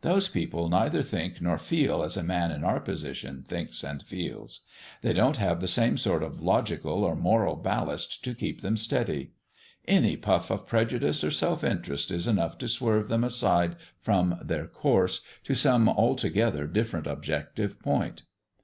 Those people neither think nor feel as a man in our position thinks and feels. They don't have the same sort of logical or moral ballast to keep them steady. Any puff of prejudice or self interest is enough to swerve them aside from their course to some altogether different objective point."